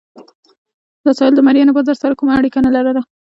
دا ساحل د مریانو بازار سره کومه اړیکه نه لرله.